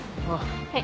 はい。